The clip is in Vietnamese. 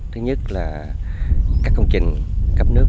thứ nhất là các công trình cấp nước